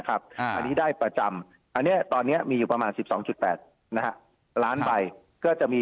อันนี้ได้ประจำทแรงประมาณ๑๒๘ล้านไป